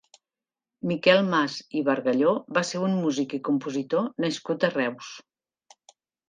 Miquel Mas i Bargalló va ser un músic i compositor nascut a Reus.